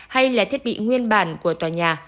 hay là thiết bị nguyên bản của tòa nhà